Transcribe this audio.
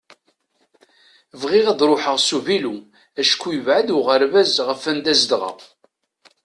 Bɣiɣ ad ruḥeɣ s uvilu acku yebεed uɣerbaz ɣef anda zedɣeɣ.